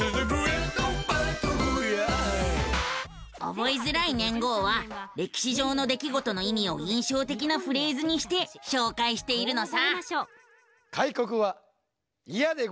覚えづらい年号は歴史上の出来事の意味を印象的なフレーズにして紹介しているのさ。